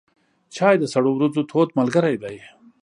چای د سړو ورځو تود ملګری دی.